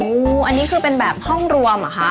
อันนี้คือเป็นแบบห้องรวมเหรอคะ